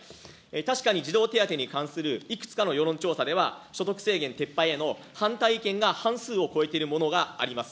確かに児童手当に関するいくつかの世論調査では、所得制限撤廃への反対意見が半数を超えているものがあります。